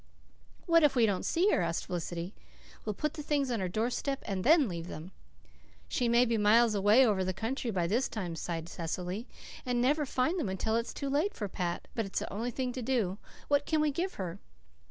"What if we don't see her?" asked Felicity. "We'll put the things on her doorstep then and leave them." "She may be miles away over the country by this time," sighed Cecily, "and never find them until it's too late for Pat. But it's the only thing to do. What can we give her?"